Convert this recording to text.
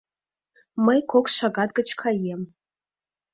— Мый кок шагат гыч каем.